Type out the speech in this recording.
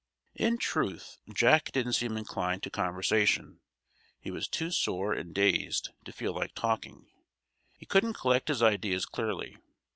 In truth, Jack didn't seem inclined to conversation. He was too sore and dazed to feel like talking. He couldn't collect his ideas clearly.